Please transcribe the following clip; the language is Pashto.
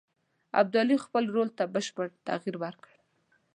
ابدالي خپل رول ته بشپړ تغییر ورکړ.